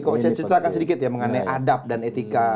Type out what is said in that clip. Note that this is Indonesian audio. kalau bisa ceritakan sedikit ya mengenai adab dan etika